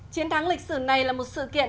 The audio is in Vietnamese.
chiến thắng lịch sử này là một sự kiện